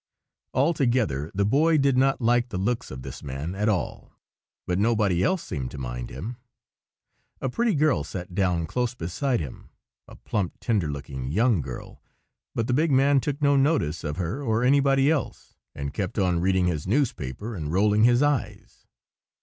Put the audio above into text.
Altogether, the Boy did not like the looks of this man at all, but nobody else seemed to mind him. A pretty girl sat down close beside him,—a plump, tender looking young girl,—but the big man took no notice of her or anybody else, and kept on reading his newspaper and rolling his eyes.